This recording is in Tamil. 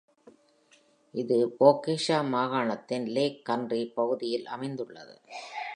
இது Waukesha மாகாணத்தின் “Lake Country” பகுதியில் அமைந்துள்ளது.